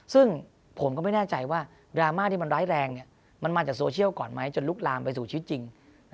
ซึ่งผมก็ไม่แน่ใจว่าดราม่าที่มันร้ายแรงมันมาจากโซเชียลก่อนไหมจนลุกลามไปสู่ชีวิตจริง